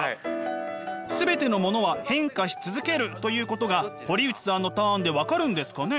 「全てのものは変化し続ける」ということが堀内さんのターンで分かるんですかね？